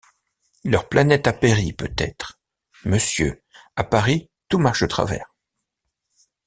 Leur planète a péri peut-être. — Monsieur, à Paris tout marche de travers.